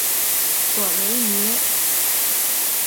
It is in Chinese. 索维尼。